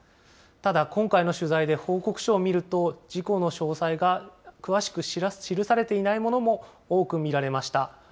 ただ、今回の取材で報告書を見ると、事故の詳細が詳しく記されていないものも多く見られました。